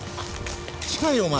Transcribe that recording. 近いよお前。